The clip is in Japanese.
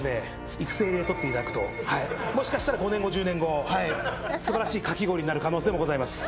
育成で取っていただくともしかしたら５年後１０年後素晴らしいかき氷になる可能性もございます。